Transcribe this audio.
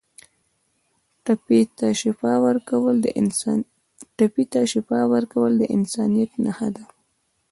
ټپي ته شفا ورکول د انسانیت نښه ده.